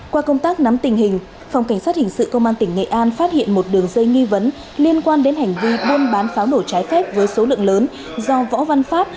qua công tác nắm tình hình phòng cảnh sát hình sự công an tỉnh nghệ an phát hiện một đường dây nghi vấn liên quan đến hành vi buôn bán pháo nổ trái phép với số lượng lớn do võ văn pháp